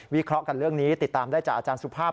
เคราะห์กันเรื่องนี้ติดตามได้จากอาจารย์สุภาพ